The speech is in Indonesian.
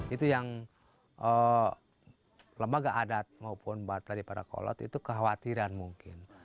itu yang lembaga adat maupun bat daripada kolot itu kekhawatiran mungkin